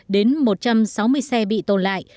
đến một trăm sáu mươi xe bị tồn lại